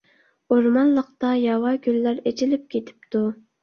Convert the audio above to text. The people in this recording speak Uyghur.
ئورمانلىقتا ياۋا گۈللەر ئېچىلىپ كېتىپتۇ.